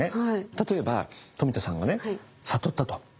例えば富田さんがね悟ったと。